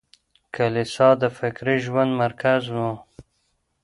کليسا د فکري ژوند مرکز و.